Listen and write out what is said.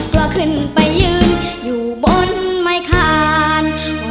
ก็ขึ้นไปยืนอยู่บนไม้คาน